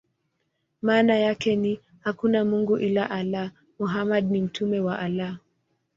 Maana yake ni: "Hakuna mungu ila Allah; Muhammad ni mtume wa Allah".